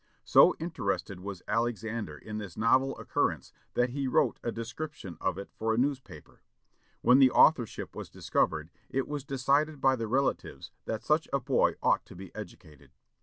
So interested was Alexander in this novel occurrence that he wrote a description of it for a newspaper. When the authorship was discovered, it was decided by the relatives that such a boy ought to be educated.